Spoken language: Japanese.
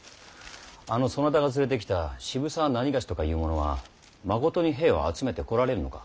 あのそなたが連れてきた渋沢何某とかいう者はまことに兵を集めてこられるのか？